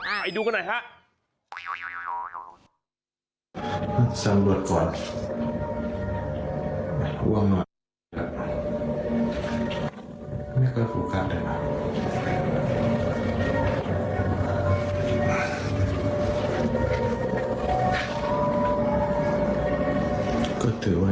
ไปดูกันหน่อยฮะ